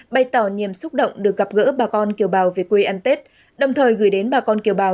bày tỏ niềm xúc động được gặp gỡ bà con kiều bào về quê ăn tết đồng thời gửi đến bà con kiều bào